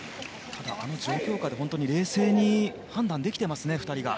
ただ、あの状況下で本当に冷静に判断できていますね２人。